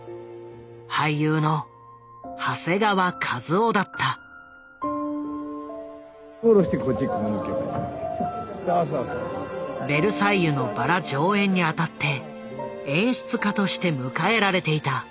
俳優の「ベルサイユのばら」上演にあたって演出家として迎えられていた。